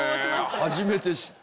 へえ初めて知った！